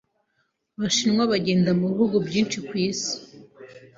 Abashinwa bagenda mu bihugu byinshi ku isi